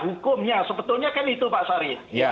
hukumnya sebetulnya kan itu pak sari